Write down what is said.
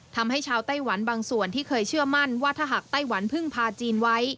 ทำให้ชาวไต้หวันบางส่วนที่เคยเชื่อมั่นว่าถ้าหากไต้หวันพึ่งพาจีนไว้